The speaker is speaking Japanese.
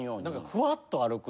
ふわっと歩く。